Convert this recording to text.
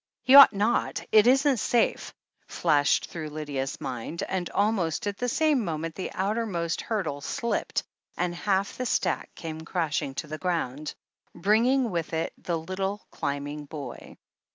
"He ought not — it isn't safe," flashed through Lydia's mind, and almost at the same moment the out ermost hurdle slipped, and half the stack came crashing to the ground, bringing with it the little, climbing boy.